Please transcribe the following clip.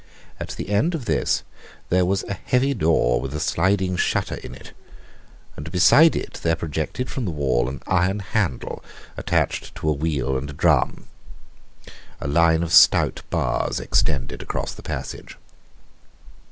At the end of this there was a heavy door with a sliding shutter in it, and beside it there projected from the wall an iron handle attached to a wheel and a drum. A line of stout bars extended across the passage.